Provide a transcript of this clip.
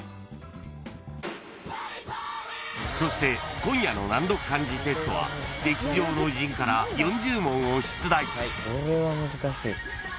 ［そして今夜の難読漢字テストは歴史上の偉人から４０問を出題］